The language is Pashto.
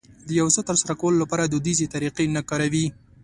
د يو څه ترسره کولو لپاره دوديزې طريقې نه کاروي.